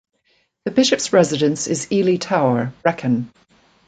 The Bishop's residence is Ely Tower, Brecon.